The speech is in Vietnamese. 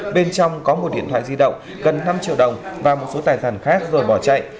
bên trong có một điện thoại di động gần năm triệu đồng và một số tài sản khác rồi bỏ chạy